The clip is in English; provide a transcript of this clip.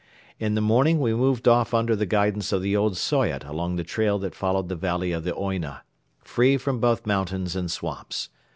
In the morning we moved off under the guidance of the old Soyot along the trail that followed the valley of the Oyna, free from both mountains and swamps.